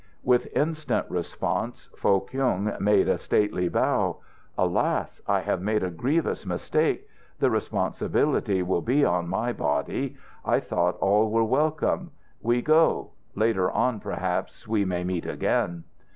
With instant response, Foh Kyung made a stately bow. "Alas! I have made a grievous mistake. The responsibility will be on my body. I thought all were welcome. We go. Later on, perhaps, we may meet again."